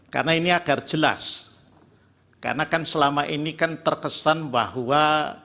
karena ini agar jelas karena kan selama ini kan terkesan bahwa